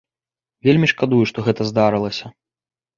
Вельмі шкадую, што гэта здарылася.